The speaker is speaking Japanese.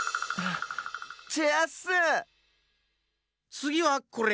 つぎはこれ。